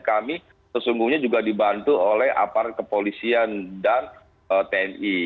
kami sesungguhnya juga dibantu oleh aparat kepolisian dan tni